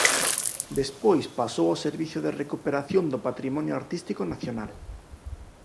Despois pasou ao Servizo de Recuperación do Patrimonio Artístico Nacional.